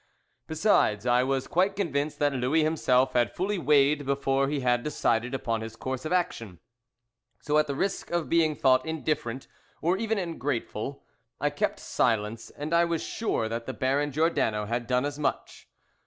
Besides, I was quite convinced that Louis himself had fully weighed before he had decided upon his course of action. So at the risk of being thought indifferent, or even ungrateful, I kept silence, and I was sure that the Baron Giordano had done as much.